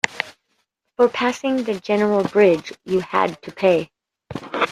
For passing the general bridge, you had to pay.